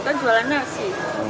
kan jualan nasi